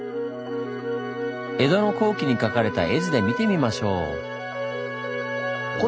江戸の後期に描かれた絵図で見てみましょう。